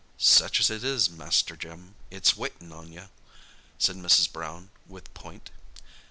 "Sech as it is, Master Jim, it's waitin' on you," said Mrs. Brown, with point.